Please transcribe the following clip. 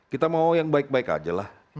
kita mau yang baik baik aja lah